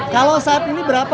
kalau saat ini berapa